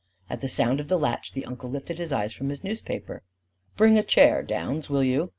At the sound of the latch the uncle lifted his eyes from his newspaper. "Bring a chair, Downs, will you?"